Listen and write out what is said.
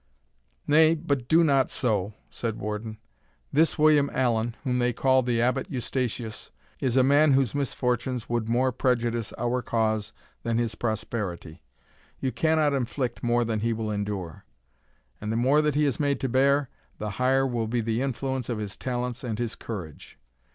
"Nay, but do not so," said Warden; "this William Allan, whom they call the Abbot Eustatius, is a man whose misfortunes would more prejudice our cause than his prosperity. You cannot inflict more than he will endure; and the more that he is made to bear, the higher will be the influence of his talents and his courage.